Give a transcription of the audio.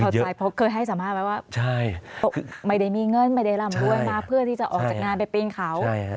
เพราะเคยให้สัมภาษณ์ไว้ว่าไม่ได้มีเงินไม่ได้ร่ำรวยมาเพื่อที่จะออกจากงานไปปีนเขา